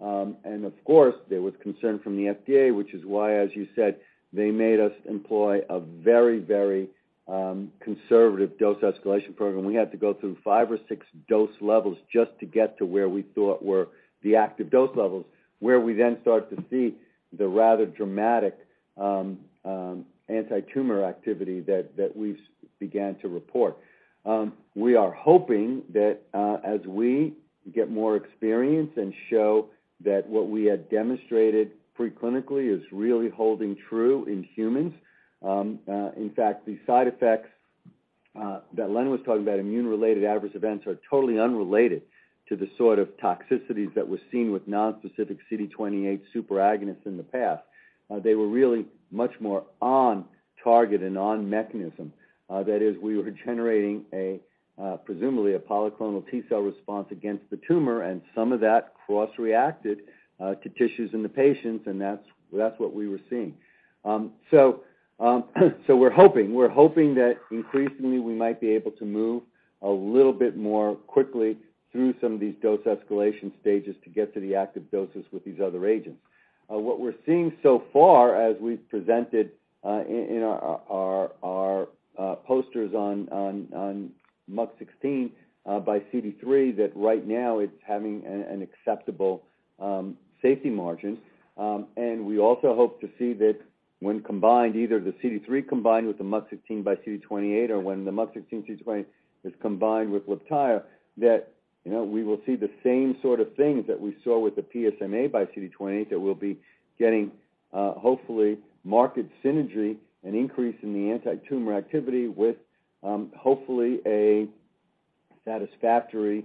Of course, there was concern from the FDA, which is why, as you said, they made us employ a very, very conservative dose escalation program. We had to go through five or six dose levels just to get to where we thought were the active dose levels, where we then start to see the rather dramatic antitumor activity that we've began to report. We are hoping that as we get more experience and show that what we had demonstrated pre-clinically is really holding true in humans, in fact, the side effects That Len was talking about immune-related adverse events are totally unrelated to the sort of toxicities that were seen with nonspecific CD28 super agonists in the past. They were really much more on target and on mechanism. That is, we were generating a presumably a polyclonal T cell response against the tumor, and some of that cross-reacted to tissues in the patients, and that's what we were seeing. We're hoping that increasingly we might be able to move a little bit more quickly through some of these dose escalation stages to get to the active doses with these other agents. What we're seeing so far, as we've presented in our posters on MUC16 by CD3, that right now it's having an acceptable safety margin. We also hope to see that when combined, either the CD3 combined with the MUC16 by CD28, or when the MUC16 CD28 is combined with Libtayo, that, you know, we will see the same sort of things that we saw with the PSMA by CD28, that we'll be getting, hopefully marked synergy and increase in the antitumor activity with, hopefully a satisfactory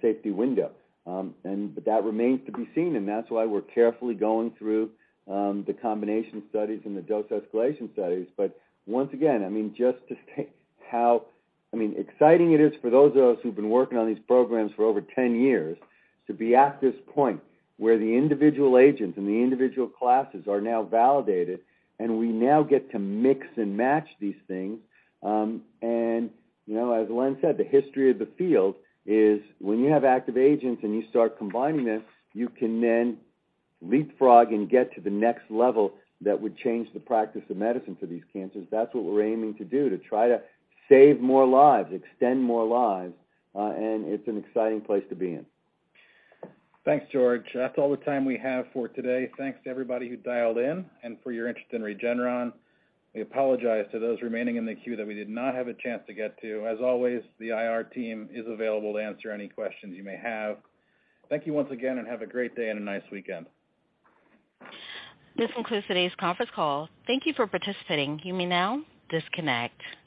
safety window. That remains to be seen, and that's why we're carefully going through the combination studies and the dose escalation studies. Once again, I mean, just to state how exciting it is for those of us who've been working on these programs for over 10 years to be at this point where the individual agents and the individual classes are now validated, and we now get to mix and match these things. You know, as Len said, the history of the field is when you have active agents and you start combining this, you can then leapfrog and get to the next level that would change the practice of medicine for these cancers. That's what we're aiming to do, to try to save more lives, extend more lives, and it's an exciting place to be in. Thanks, George. That's all the time we have for today. Thanks to everybody who dialed in and for your interest in Regeneron. We apologize to those remaining in the queue that we did not have a chance to get to. As always, the IR team is available to answer any questions you may have. Thank you once again, and have a great day and a nice weekend. This concludes today's conference call. Thank you for participating. You may now disconnect.